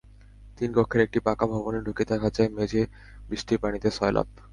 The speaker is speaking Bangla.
তিন কক্ষের একটি পাকা ভবনে ঢুকে দেখা যায়, মেঝে বৃষ্টির পানিতে সয়লাব।